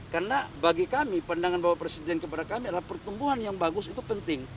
karena bagi kami pandangan bapak presiden kepada kami adalah pertumbuhan yang bagus itu penting